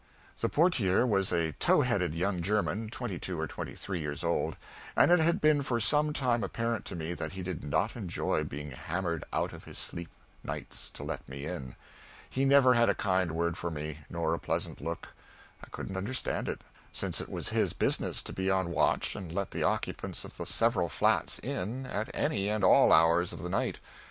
The portier was a tow headed young German, twenty two or three years old; and it had been for some time apparent to me that he did not enjoy being hammered out of his sleep, nights, to let me in. He never had a kind word for me, nor a pleasant look. I couldn't understand it, since it was his business to be on watch and let the occupants of the several flats in at any and all hours of the night.